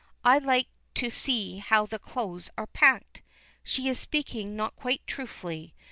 I like to see how the clothes are packed." She is speaking not quite truthfully.